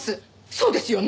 そうですよね？